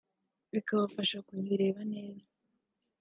bikabafasha kuzireba neza